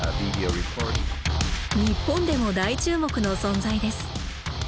日本でも大注目の存在です。